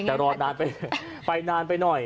แต่รอไปหน่านไปไปนานไปหน่อย